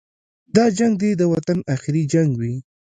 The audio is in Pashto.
دا جنګ دې د وطن اخري جنګ وي.